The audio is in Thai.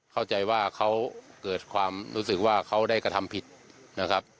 เข้าใจว่าเขาเกิดความรู้สึกว่าเขาได้กระทำผิดนะครับ